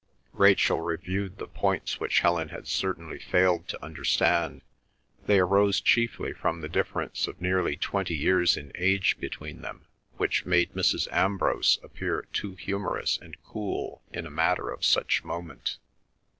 Rachel reviewed the points which Helen had certainly failed to understand; they arose chiefly from the difference of nearly twenty years in age between them, which made Mrs. Ambrose appear too humorous and cool in a matter of such moment.